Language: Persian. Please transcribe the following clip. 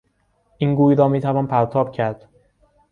این گوی را میتوان پرتاب کرد.